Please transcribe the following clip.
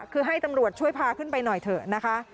คือให้ตำรวจช่วยพาขึ้นไปหน่อยเถอะนะคะ